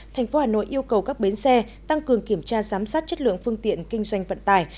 thành phố hà nội yêu cầu các bến xe tăng cường kiểm tra giám sát chất lượng phương tiện kinh doanh vận tải